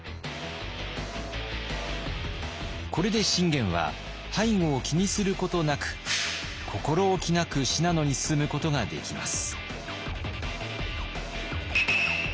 これで信玄は背後を気にすることなく心おきなく信濃に進むことができます。